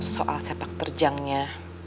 soal sepak terjangnya